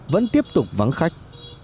vẫn tiếp tục vắng khách